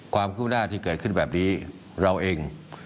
ความคืบหน้าที่เกิดขึ้นแบบนี้เราเอง